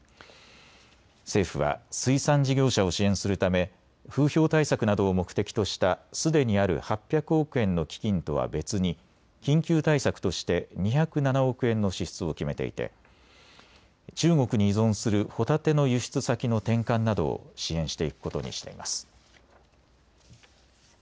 政府は水産事業者を支援するため風評対策などを目的としたすでにある８００億円の基金とは別に緊急対策として２０７億円の支出を決めていて中国に依存するホタテの輸出先の転換などを支援していくことにしています。